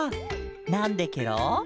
なんでケロ？